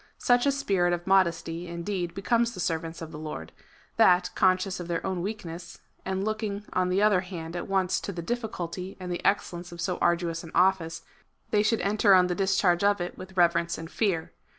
Such a spirit of modesty, indeed, becomes the servants of the Lord, that, conscious of their own weakness, and looking, on the other hand, at once to the difficulty and the excellence of so arduous an office, they should enter on the discharge of it with reverence and /ear.